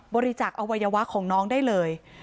บริจาคอวัยวะของน้องได้เลย